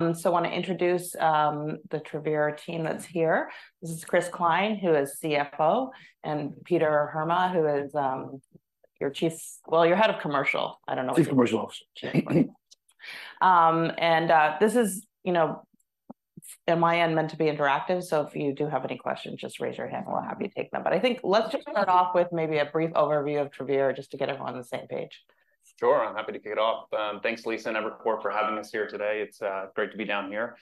So I wanna introduce the Travere team that's here. This is Chris Cline, who is CFO, and Peter Heerma, who is, your chief—Well, you're head of commercial. I don't know what you- Chief Commercial Officer. This is, you know, on my end, meant to be interactive, so if you do have any questions, just raise your hand, and we'll have you take them. But I think let's just start off with maybe a brief overview of Travere, just to get everyone on the same page. Sure, I'm happy to kick it off. Thanks, Lisa and Evercore, for having us here today. It's great to be down here.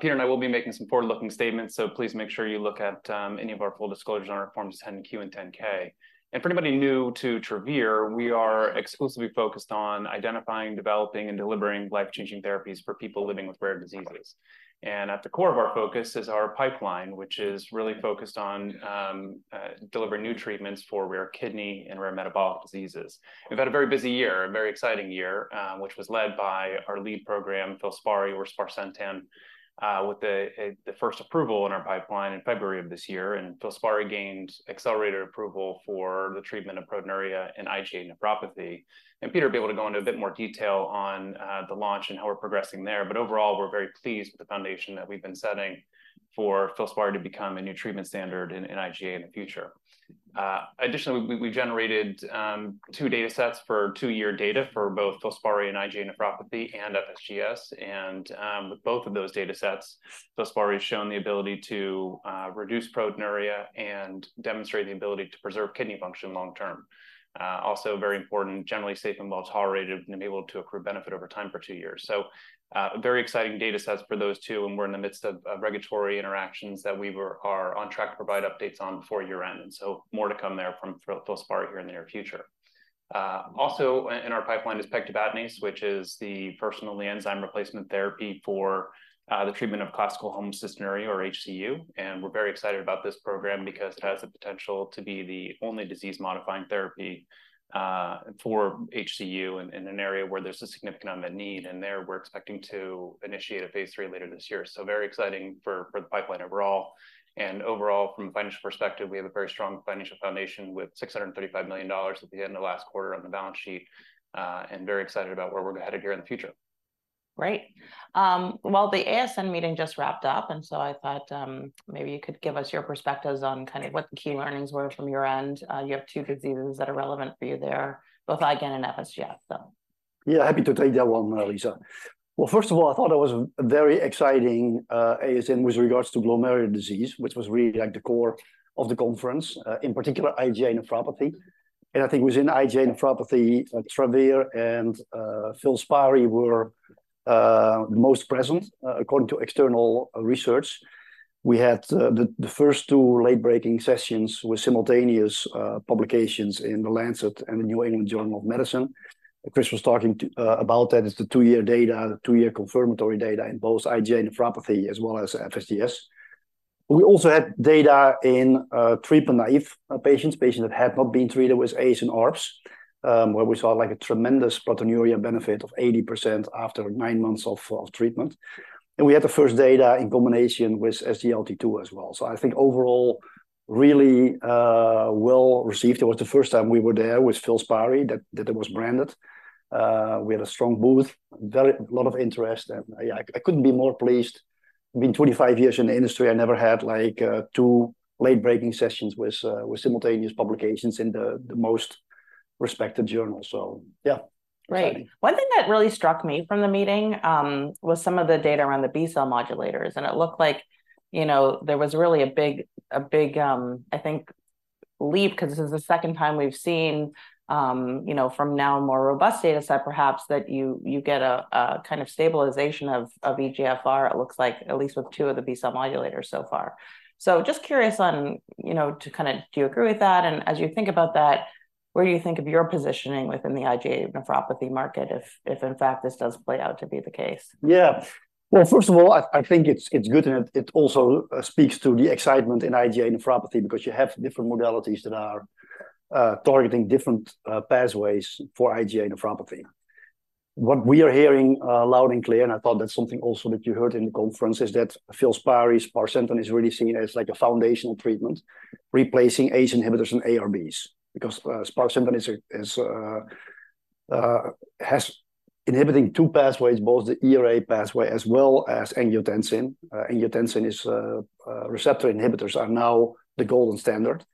Peter and I will be making some forward-looking statements, so please make sure you look at any of our full disclosures on our Forms 10-Q and 10-K. For anybody new to Travere, we are exclusively focused on identifying, developing, and delivering life-changing therapies for people living with rare diseases. At the core of our focus is our pipeline, which is really focused on delivering new treatments for rare kidney and rare metabolic diseases. We've had a very busy year, a very exciting year, which was led by our lead program, FILSPARI or sparsentan, with the first approval in our pipeline in February of this year, and FILSPARI gained accelerated approval for the treatment of proteinuria and IgA nephropathy. Peter will be able to go into a bit more detail on the launch and how we're progressing there, but overall, we're very pleased with the foundation that we've been setting for FILSPARI to become a new treatment standard in IgA in the future. Additionally, we generated two datasets for two-year data for both FILSPARI and IgA nephropathy and FSGS, and with both of those datasets, FILSPARI has shown the ability to reduce proteinuria and demonstrate the ability to preserve kidney function long term. Also very important, generally safe and well-tolerated and enabled to accrue benefit over time for two years. So, very exciting datasets for those two, and we're in the midst of regulatory interactions that we are on track to provide updates on before year-end. So more to come there from FILSPARI here in the near future. Also in our pipeline is pegtibatinase, which is the PEGylated enzyme replacement therapy for the treatment of classical homocystinuria, or HCU, and we're very excited about this program because it has the potential to be the only disease-modifying therapy for HCU in an area where there's a significant unmet need. And there, we're expecting to initiate a phase III later this year, so very exciting for the pipeline overall. Overall, from a financial perspective, we have a very strong financial foundation, with $635 million at the end of last quarter on the balance sheet, and very excited about where we're headed here in the future. Great. Well, the ASN meeting just wrapped up, and so I thought, maybe you could give us your perspectives on kind of what the key learnings were from your end. You have two diseases that are relevant for you there, both IgAN and FSGS, so. Yeah, happy to take that one, Lisa. Well, first of all, I thought it was a very exciting ASN with regards to glomerular disease, which was really, like, the core of the conference, in particular, IgA nephropathy. I think within IgA nephropathy, Travere and FILSPARI were the most present, according to external research. We had the first two late-breaking sessions with simultaneous publications in The Lancet and the New England Journal of Medicine. Chris was talking about that. It's the two-year data, the two-year confirmatory data in both IgA nephropathy, as well as FSGS. We also had data in treatment-naive patients, patients that had not been treated with ACE and ARBs, where we saw, like, a tremendous proteinuria benefit of 80% after nine months of treatment. And we had the first data in combination with SGLT2 as well. So I think overall, really, well-received. It was the first time we were there with FILSPARI, that it was branded. We had a strong booth, very... A lot of interest, and I couldn't be more pleased. Been 25 years in the industry, I never had, like, two late-breaking sessions with simultaneous publications in the most respected journals. So yeah, exciting. Right. One thing that really struck me from the meeting was some of the data around the B-cell modulators, and it looked like, you know, there was really a big, a big, I think, leap, 'cause this is the second time we've seen, you know, from now a more robust dataset, perhaps, that you get a kind of stabilization of eGFR, it looks like, at least with two of the B-cell modulators so far. So just curious on, you know, to kind of... Do you agree with that? And as you think about that, where do you think of your positioning within the IgA nephropathy market, if in fact this does play out to be the case? Yeah. Well, first of all, I think it's good, and it also speaks to the excitement in IgA nephropathy because you have different modalities that are targeting different pathways for IgA nephropathy. What we are hearing loud and clear, and I thought that's something also that you heard in the conference, is that FILSPARI, sparsentan, is really seen as, like, a foundational treatment, replacing ACE inhibitors and ARBs. Because sparsentan is inhibiting two pathways, both the ERA pathway as well as angiotensin. Angiotensin receptor inhibitors are now the gold standard.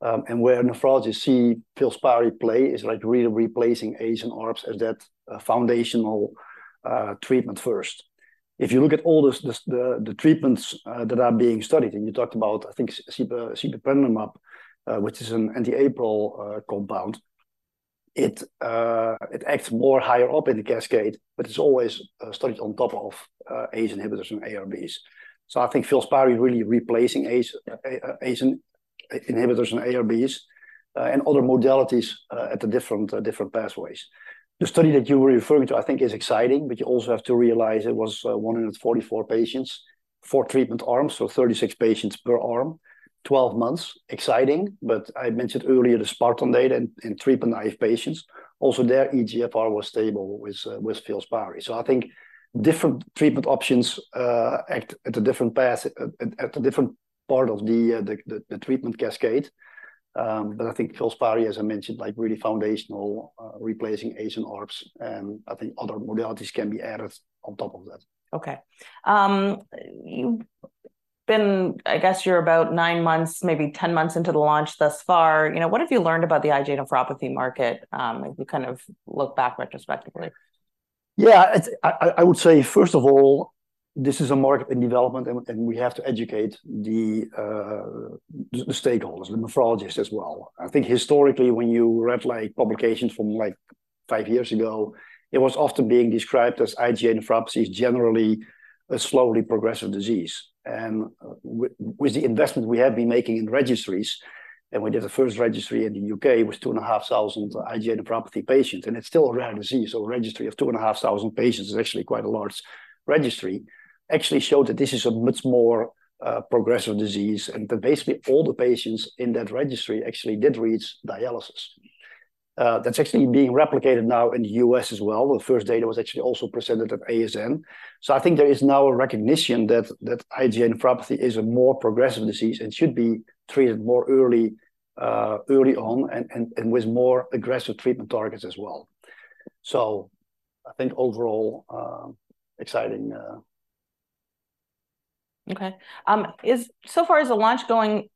And where nephrologists see FILSPARI play is, like, really replacing ACE and ARBs as that foundational treatment first. If you look at all the the treatments that are being studied, and you talked about, I think, sibeprenlimab, which is an anti-APRIL compound, it acts more higher up in the cascade, but it's always studied on top of ACE inhibitors and ARBs. So I think FILSPARI is really replacing ACE inhibitors and ARBs, and other modalities at the different pathways. The study that you were referring to, I think, is exciting, but you also have to realize it was 144 patients, four treatment arms, so 36 patients per arm, 12 months. Exciting, but I mentioned earlier the sparsentan data in treatment-naive patients. Also, their eGFR was stable with FILSPARI. So I think different treatment options act at a different path, at a different part of the treatment cascade. But I think FILSPARI, as I mentioned, like really foundational, replacing ACE and ARBs, and I think other modalities can be added on top of that. Okay. You've been, I guess you're about nine months, maybe 10 months into the launch thus far. You know, what have you learned about the IgA nephropathy market, if you kind of look back retrospectively? Yeah, it's—I would say, first of all, this is a market in development, and we have to educate the stakeholders, the nephrologists as well. I think historically, when you read, like, publications from, like, five years ago, it was often being described as IgA nephropathy is generally a slowly progressive disease. And with the investment we have been making in registries, and we did the first registry in the U.K., it was 2,500 IgA nephropathy patients, and it's still a rare disease, so a registry of 2,500 patients is actually quite a large registry. Actually showed that this is a much more progressive disease, and that basically all the patients in that registry actually did reach dialysis. That's actually being replicated now in the U.S. as well. The first data was actually also presented at ASN. So I think there is now a recognition that IgA nephropathy is a more progressive disease and should be treated more early, early on, and with more aggressive treatment targets as well. So I think overall, exciting. Okay. So far, is the launch going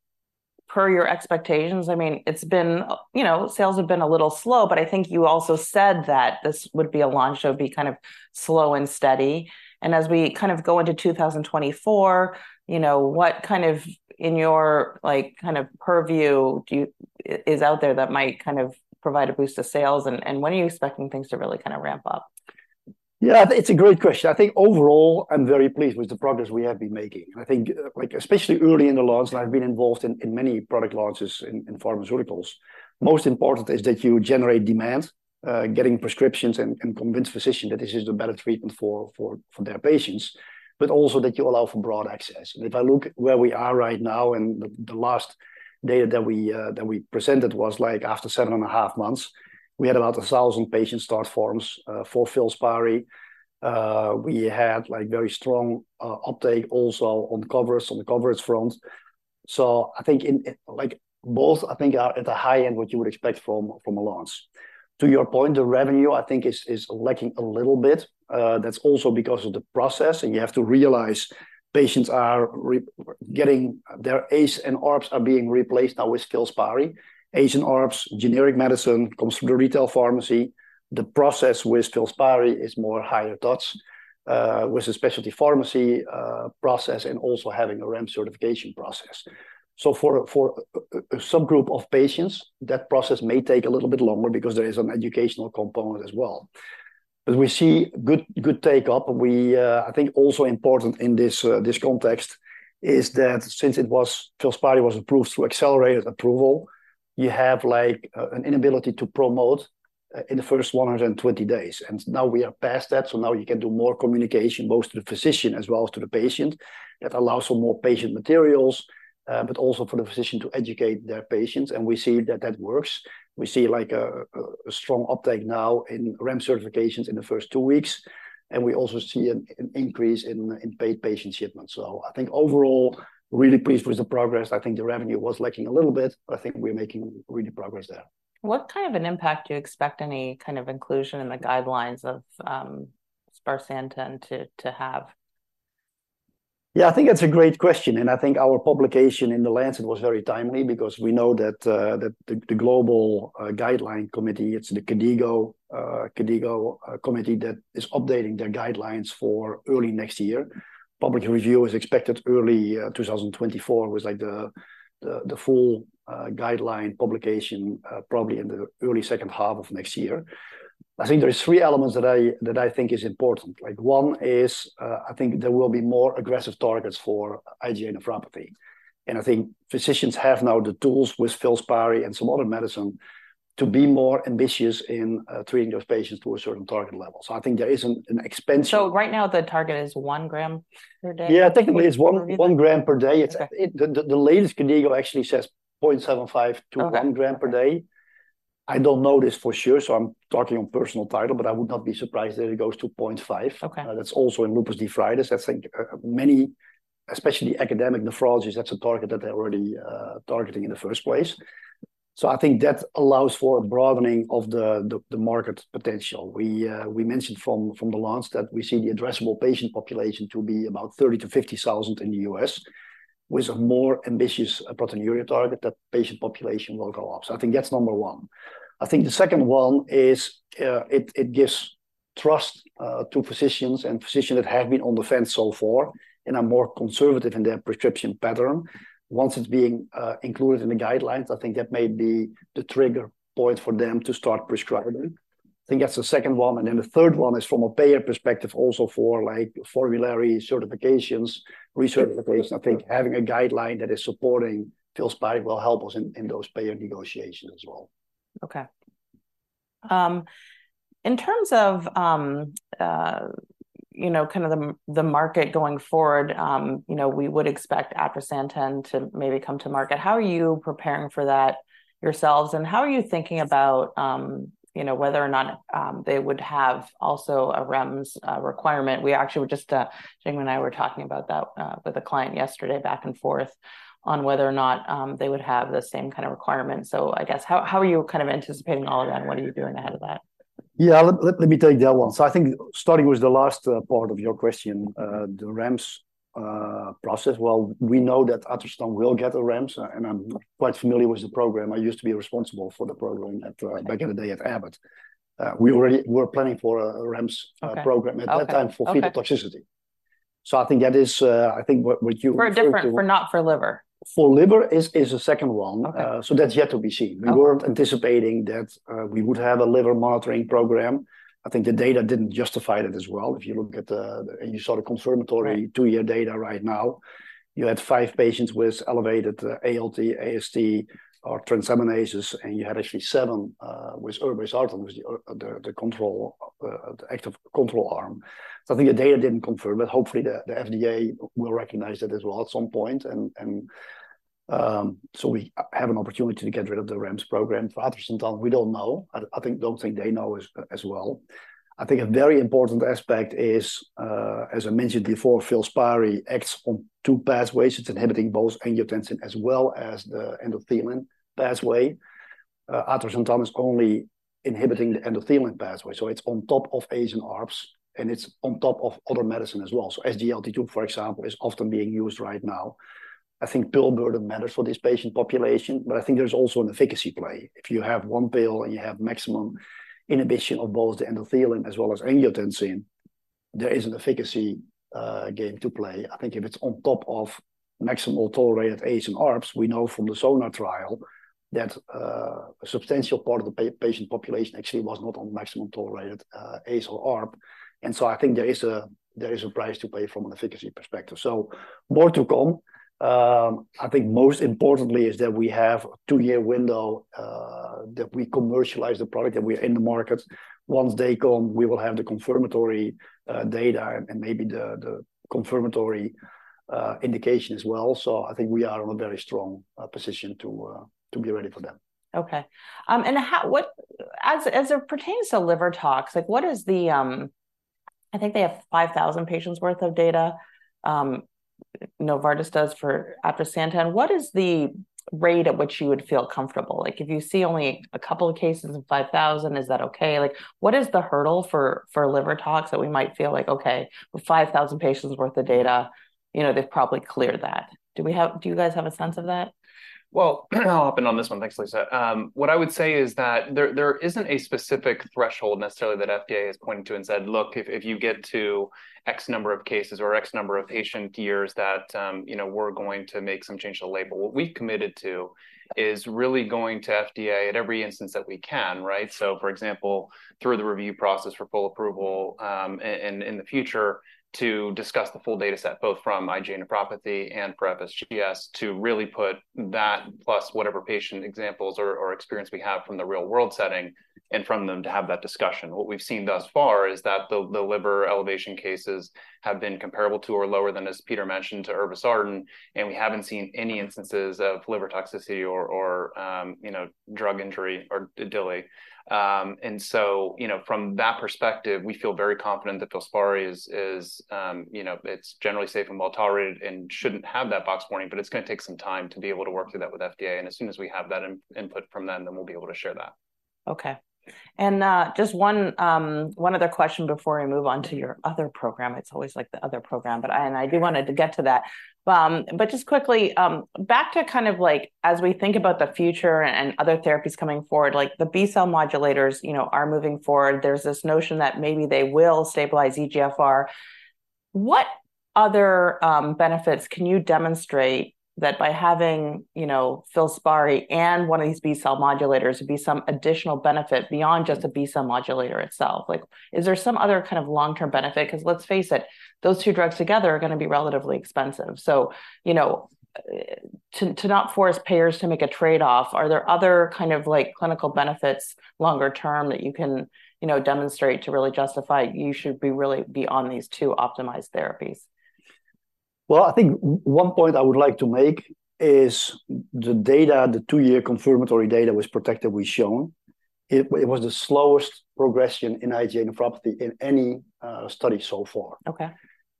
per your expectations? I mean, it's been... You know, sales have been a little slow, but I think you also said that this would be a launch that would be kind of slow and steady. And as we kind of go into 2024, you know, what kind of, in your, like, kind of purview, do you is out there that might kind of provide a boost of sales, and when are you expecting things to really kind of ramp up? Yeah, it's a great question. I think overall, I'm very pleased with the progress we have been making. I think, like especially early in the launch, and I've been involved in many product launches in pharmaceuticals, most important is that you generate demand, getting prescriptions, and convince physician that this is the better treatment for their patients, but also that you allow for broad access. And if I look at where we are right now, and the last data that we presented was, like, after 7.5 months, we had about 1,000 patient start forms for FILSPARI. We had, like, very strong uptake also on coverage, on the coverage front. So I think in, like, both, I think, are at the high end what you would expect from a launch. To your point, the revenue, I think, is lacking a little bit. That's also because of the process, and you have to realize patients are getting their ACE and ARBs are being replaced now with FILSPARI. ACE and ARBs, generic medicine, comes from the retail pharmacy. The process with FILSPARI is more higher touch with a specialty pharmacy process, and also having a REMS certification process. So for a subgroup of patients, that process may take a little bit longer because there is an educational component as well. But we see good take-up. We... I think also important in this, this context, is that since it was, FILSPARI was approved through accelerated approval, you have, like, an inability to promote, in the first 120 days, and now we are past that, so now you can do more communication, both to the physician as well as to the patient. That allows for more patient materials, but also for the physician to educate their patients, and we see that that works. We see, like, a strong uptake now in REMS certifications in the first two weeks, and we also see an increase in paid patient shipments. So I think overall, really pleased with the progress. I think the revenue was lacking a little bit, but I think we're making really progress there. What kind of an impact do you expect any kind of inclusion in the guidelines of sparsentan to have? Yeah, I think that's a great question, and I think our publication in The Lancet was very timely because we know that the global guideline committee, it's the KDIGO committee that is updating their guidelines for early next year. Public review is expected early 2024, with, like, the full guideline publication probably in the early second half of next year. I think there are three elements that I think is important. Like, one is, I think there will be more aggressive targets for IgA nephropathy, and I think physicians have now the tools with FILSPARI and some other medicine to be more ambitious in treating those patients to a certain target level. So I think there is an expansion- Right now, the target is one gram per day? Yeah, technically it's one- Okay... 1 gram per day. Okay. It's the latest KDIGO actually says 0.75 to- Okay... 1 g per day. I don't know this for sure, so I'm talking on personal title, but I would not be surprised if it goes to 0.5. Okay. That's also in lupus nephritis. I think, many, especially academic nephrologists, that's a target that they're already, targeting in the first place. So I think that allows for a broadening of the, the, the market potential. We, we mentioned from, from the launch that we see the addressable patient population to be about 30,000-50,000 in the U.S. With a more ambitious proteinuria target, that patient population will go up. So I think that's number one. I think the second one is, it, it gives trust, to physicians, and physicians that have been on the fence so far and are more conservative in their prescription pattern. Once it's being, included in the guidelines, I think that may be the trigger point for them to start prescribing. I think that's the second one. And then the third one is from a payer perspective also for, like, formulary certifications, recertification. I think having a guideline that is supporting FILSPARI will help us in, in those payer negotiations as well. Okay. In terms of, you know, kind of the market going forward, you know, we would expect atrasentan to maybe come to market. How are you preparing for that yourselves, and how are you thinking about, you know, whether or not they would have also a REMS requirement? We actually were just Jing and I were talking about that with a client yesterday, back and forth on whether or not they would have the same kind of requirement. So I guess, how are you kind of anticipating all of that, and what are you doing ahead of that? ... Yeah, let me tell you that one. So I think starting with the last part of your question, the REMS process, well, we know that atrasentan will get a REMS, and I'm quite familiar with the program. I used to be responsible for the program at, back in the day at Abbott. We already, we're planning for a REMS. Okay program at that time for Okay fetal toxicity. So I think that is, I think what you- For a different, not for liver. For liver is the second one. Okay. So that's yet to be seen. Okay. We were anticipating that we would have a liver monitoring program. I think the data didn't justify that as well. If you look at the and you saw the confirmatory- Right Two-year data right now, you had five patients with elevated ALT, AST, or transaminases, and you had actually seven with irbesartan, with the control, the active control arm. So I think the data didn't confirm, but hopefully the FDA will recognize that as well at some point. And so we have an opportunity to get rid of the REMS program. For atrasentan, we don't know. I don't think they know as well. I think a very important aspect is, as I mentioned before, FILSPARI acts on two pathways. It's inhibiting both angiotensin as well as the endothelin pathway. Atrasentan is only inhibiting the endothelin pathway, so it's on top of ACE and ARBs, and it's on top of other medicine as well. So SGLT2, for example, is often being used right now. I think pill burden matters for this patient population, but I think there's also an efficacy play. If you have one pill, and you have maximum inhibition of both the endothelin as well as angiotensin, there is an efficacy game to play. I think if it's on top of maximum tolerated ACE and ARBs, we know from the SONAR trial that a substantial part of the patient population actually was not on maximum tolerated ACE or ARB. And so I think there is a there is a price to pay from an efficacy perspective. So more to come. I think most importantly is that we have a two-year window that we commercialize the product, and we're in the market. Once they come, we will have the confirmatory data and and maybe the the confirmatory indication as well. I think we are on a very strong position to be ready for them. Okay. And how... As it pertains to liver tox, like, what is the... I think they have 5,000 patients worth of data, Novartis does for atrasentan. What is the rate at which you would feel comfortable? Like, if you see only a couple of cases in 5,000, is that okay? Like, what is the hurdle for liver tox that we might feel like, "Okay, with 5,000 patients worth of data, you know, they've probably cleared that." Do you guys have a sense of that? Well, I'll hop in on this one. Thanks, Lisa. What I would say is that there isn't a specific threshold necessarily that FDA has pointed to and said: "Look, if you get to X number of cases or X number of patient years, that, you know, we're going to make some change to the label." What we've committed to is really going to FDA at every instance that we can, right? So for example, through the review process for full approval, and in the future, to discuss the full data set, both from IgA nephropathy and PREVAILS, GPS, to really put that plus whatever patient examples or experience we have from the real-world setting and from them to have that discussion. What we've seen thus far is that the liver elevation cases have been comparable to or lower than, as Peter mentioned, to irbesartan, and we haven't seen any instances of liver toxicity or, you know, drug injury or DILI. And so, you know, from that perspective, we feel very confident that FILSPARI is, you know, it's generally safe and well-tolerated and shouldn't have that box warning, but it's gonna take some time to be able to work through that with FDA. And as soon as we have that input from them, then we'll be able to share that. Okay. And just one other question before I move on to your other program. It's always like the other program, but and I do wanted to get to that. But just quickly, back to kind of like, as we think about the future and other therapies coming forward, like the B-cell modulators, you know, are moving forward. There's this notion that maybe they will stabilize eGFR. What other benefits can you demonstrate that by having, you know, FILSPARI and one of these B-cell modulators would be some additional benefit beyond just a B-cell modulator itself? Like, is there some other kind of long-term benefit? Because let's face it, those two drugs together are gonna be relatively expensive. You know, to not force payers to make a trade-off, are there other kind of like clinical benefits, longer term, that you can, you know, demonstrate to really justify you should really be on these two optimized therapies? Well, I think one point I would like to make is the data, the two-year confirmatory data, from the PROTECT study was shown. It, it was the slowest progression in IgA nephropathy in any study so far. Okay.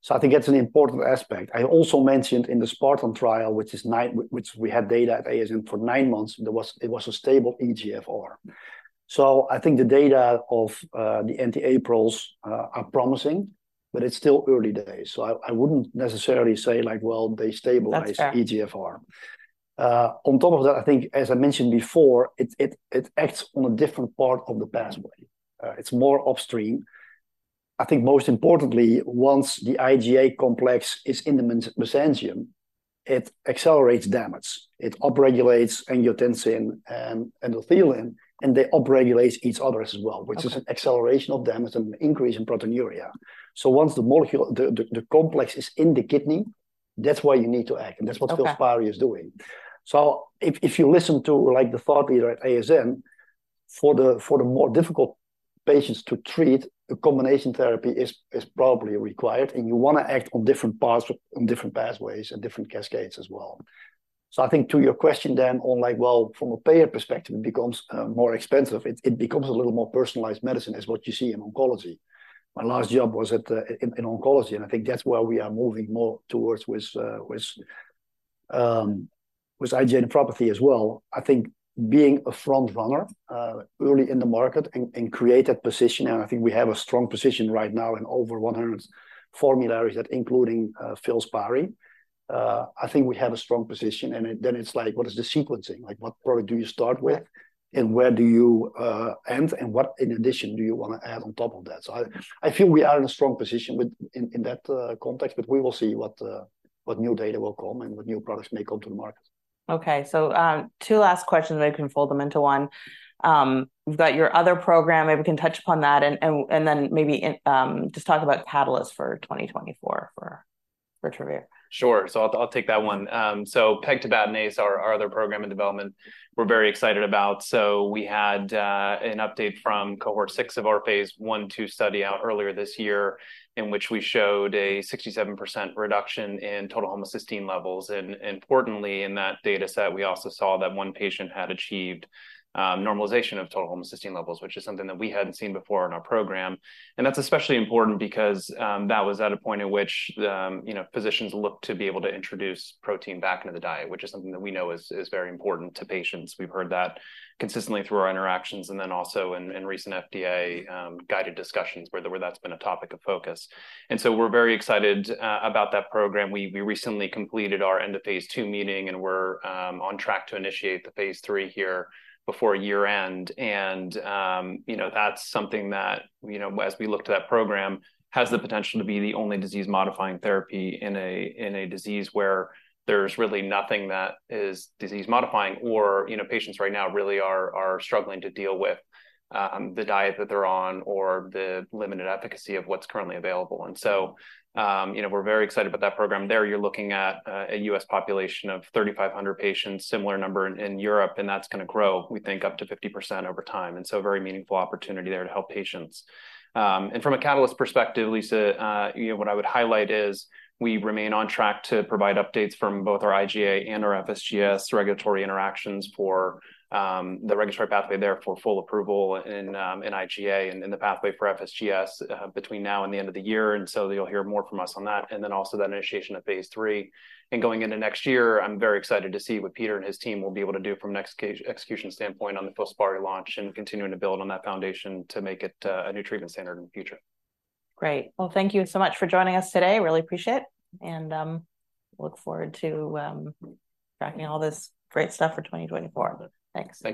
So I think that's an important aspect. I also mentioned in the SPARTAN trial, which is nine-- which we had data at ASM for 9 months, there was-- it was a stable eGFR. So I think the data of, the anti-APRs, are promising, but it's still early days, so I, I wouldn't necessarily say, like, well, they stabilized- That's fair... eGFR. On top of that, I think, as I mentioned before, it acts on a different part of the pathway. It's more upstream. I think most importantly, once the IgA complex is in the mesangium, it accelerates damage. It upregulates angiotensin and endothelin, and they upregulate each other as well- Okay... which is an acceleration of damage and an increase in proteinuria. So once the molecule, the complex is in the kidney, that's why you need to act, and that's what- Okay... FILSPARI is doing. So if you listen to, like, the thought leader at ASM, for the more difficult patients to treat, a combination therapy is probably required, and you wanna act on different paths, on different pathways and different cascades as well. So I think to your question then on like, well, from a payer perspective, it becomes more expensive. It becomes a little more personalized medicine, as what you see in oncology. My last job was in oncology, and I think that's where we are moving more towards with IgA nephropathy as well. I think being a front runner early in the market and create a position, and I think we have a strong position right now in over 100 formularies, including FILSPARI. I think we have a strong position, and then it's like, what is the sequencing? Like, what product do you start with, and where do you end, and what, in addition, do you wanna add on top of that? So I feel we are in a strong position in that context, but we will see what new data will come and what new products may come to the market. Okay, so, two last questions, I can fold them into one. You've got your other program, maybe we can touch upon that, and then maybe just talk about catalysts for 2024 for Travere. Sure. So I'll take that one. So pegtibatinase, our other program in development, we're very excited about. So we had an update from cohort six of our phase I/II study out earlier this year, in which we showed a 67% reduction in total homocysteine levels. And importantly, in that data set, we also saw that one patient had achieved normalization of total homocysteine levels, which is something that we hadn't seen before in our program. And that's especially important because that was at a point in which you know, physicians look to be able to introduce protein back into the diet, which is something that we know is very important to patients. We've heard that consistently through our interactions, and then also in recent FDA guided discussions, where that's been a topic of focus. So we're very excited about that program. We recently completed our end of phase II meeting, and we're on track to initiate the phase III here before year-end. You know, that's something that, you know, as we look to that program, has the potential to be the only disease-modifying therapy in a disease where there's really nothing that is disease modifying, or, you know, patients right now really are struggling to deal with the diet that they're on or the limited efficacy of what's currently available. So, you know, we're very excited about that program. There, you're looking at a U.S. population of 3,500 patients, similar number in Europe, and that's gonna grow, we think, up to 50% over time, and so a very meaningful opportunity there to help patients. And from a Catalyst perspective, Lisa, you know, what I would highlight is we remain on track to provide updates from both our IgA and our FSGS regulatory interactions for the regulatory pathway there for full approval in in IgA and in the pathway for FSGS between now and the end of the year, and so you'll hear more from us on that, and then also that initiation of phase III. And going into next year, I'm very excited to see what Peter and his team will be able to do from an execution standpoint on the FILSPARI launch and continuing to build on that foundation to make it a new treatment standard in the future. Great! Well, thank you so much for joining us today. Really appreciate, and, look forward to, tracking all this great stuff for 2024. Thanks. Thank you.